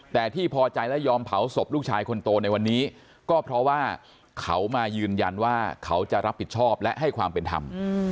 แต่ที่พอใจและยอมเผาศพลูกชายคนโตในวันนี้ก็เพราะว่าเขามายืนยันว่าเขาจะรับผิดชอบและให้ความเป็นธรรม